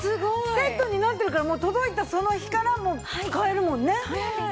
セットになってるから届いたその日からもう使えるもんね。